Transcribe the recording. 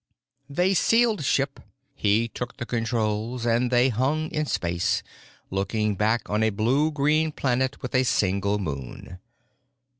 They sealed ship; he took the controls; and they hung in space, looking back on a blue green planet with a single moon.